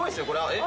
えっ？